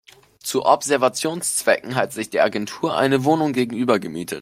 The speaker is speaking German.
Zu Observationszwecken hat sich die Agentur eine Wohnung gegenüber gemietet.